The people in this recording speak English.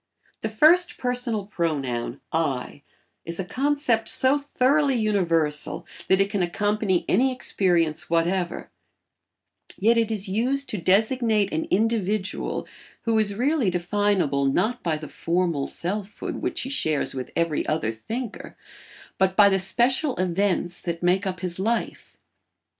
The first personal pronoun "I" is a concept so thoroughly universal that it can accompany any experience whatever, yet it is used to designate an individual who is really definable not by the formal selfhood which he shares with every other thinker, but by the special events that make up his life.